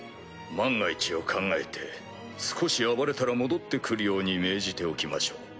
万が一を考えて少し暴れたら戻って来るように命じておきましょう。